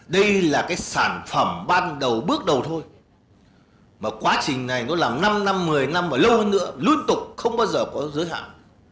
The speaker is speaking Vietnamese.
đây là cái sản phẩm ban đầu bước đầu thôi mà quá trình này nó làm năm năm một mươi năm và lâu hơn nữa luôn tục không bao giờ có giới hạn